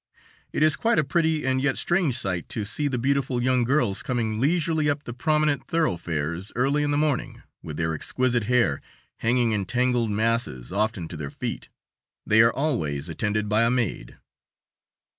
It is quite a pretty and yet strange sight to see the beautiful young girls coming leisurely up the prominent thoroughfares early in the morning, with their exquisite hair hanging in tangled masses, often to their feet. They are always attended by a maid.